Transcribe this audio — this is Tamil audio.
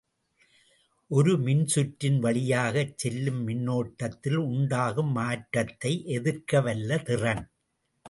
ஒரு மின்சுற்றின் வழியாகச் செல்லும் மின்னோட்டத்தில் உண்டாகும் மாற்றத்தை எதிர்க்கவல்ல திறன்.